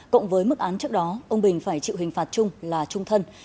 cộng với mức án trước đó ông bình phải chịu hình phạt chung là trung thân